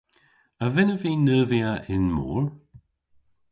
A vynnav vy neuvya y'n mor?